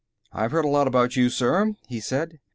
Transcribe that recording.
"I've heard a lot about you, sir," he said.